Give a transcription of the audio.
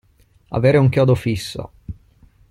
Avere un chiodo fisso.